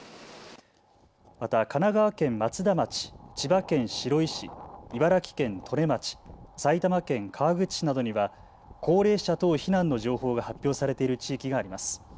また神奈川県松田町、千葉県白井市、茨城県利根町、埼玉県川口市などには高齢者等避難の情報が発表されている地域があります。